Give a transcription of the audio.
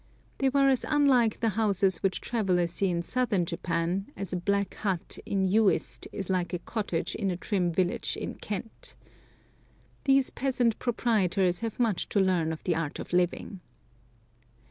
They were as unlike the houses which travellers see in southern Japan as a "black hut" in Uist is like a cottage in a trim village in Kent. These peasant proprietors have much to learn of the art of living.